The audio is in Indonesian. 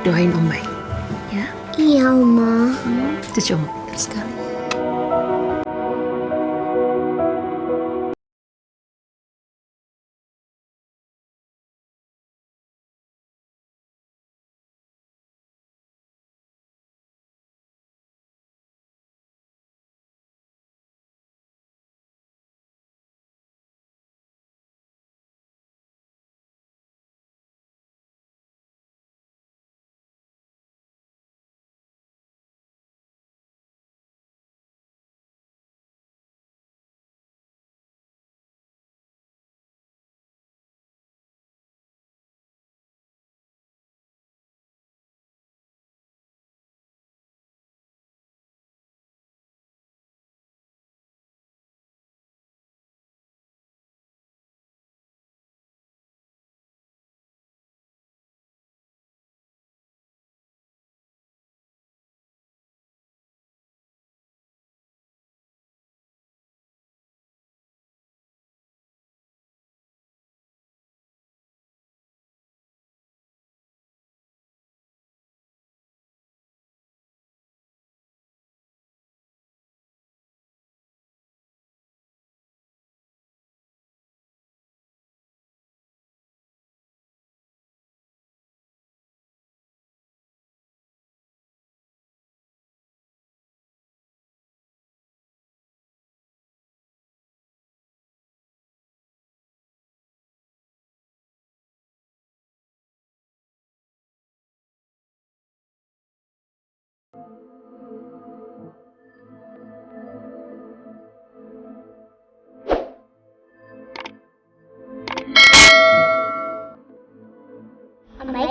doain om baik